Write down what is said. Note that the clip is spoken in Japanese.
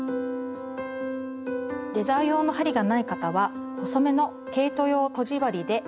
レザー用の針がない方は細めの毛糸用とじ針でも大丈夫です。